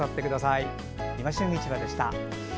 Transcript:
「いま旬市場」でした。